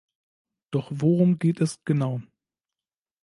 Doch worum geht es genau?